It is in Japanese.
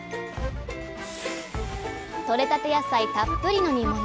とれたて野菜たっぷりの煮物。